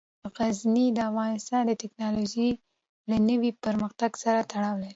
غزني د افغانستان د تکنالوژۍ له نوي پرمختګ سره تړاو لري.